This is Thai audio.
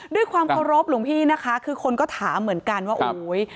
ด้วยความเคารพหลวงพี่นะคะคือคนก็ถามเหมือนกันว่าโอ้ย